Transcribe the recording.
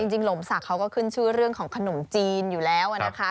จริงหลวงสักเขาก็ขึ้นชื่อเรื่องของขนมจีนอยู่แล้วนะครับ